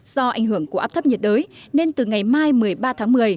do ảnh hưởng của áp thấp nhiệt đới nên từ ngày mai một mươi ba tháng một mươi